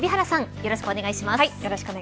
よろしくお願いします。